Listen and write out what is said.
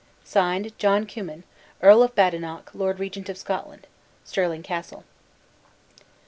"(Signed) John Cummin, "Earl of Badenoch, Lord Regent of Scotland. "Stirling Castle."